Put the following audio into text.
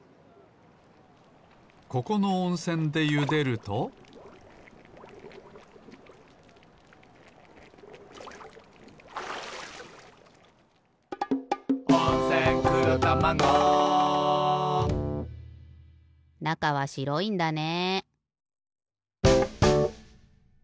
ここのおんせんでゆでると「温泉黒たまご」なかはしろいんだね。